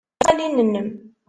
Rfed tismaqqalin-nnem.